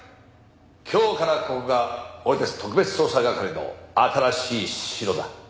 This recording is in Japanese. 今日からここが俺たち特別捜査係の新しい城だ。